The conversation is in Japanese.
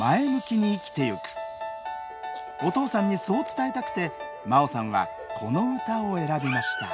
お父さんにそう伝えたくて、真桜さんはこの歌を選びました。